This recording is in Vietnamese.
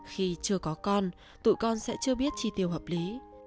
khi chưa có con tụi con sẽ chưa biết chi tiêu hợp lý